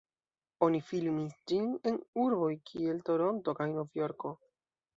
Oni filmis ĝin en urboj kiel Toronto kaj Nov-Jorko.